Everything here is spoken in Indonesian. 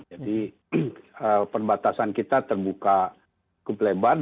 jadi perbatasan kita terbuka keplebaran